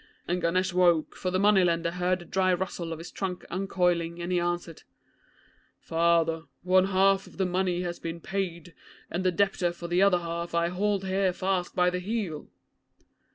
And Ganesh woke, for the moneylender heard the dry rustle of his trunk uncoiling, and he answered, "Father, one half of the money has been paid, and the debtor for the other half I hold here fast by the heel."'